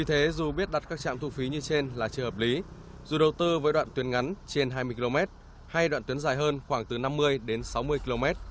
vì thế dù biết đặt các trạm thu phí như trên là chưa hợp lý dù đầu tư với đoạn tuyến ngắn trên hai mươi km hay đoạn tuyến dài hơn khoảng từ năm mươi đến sáu mươi km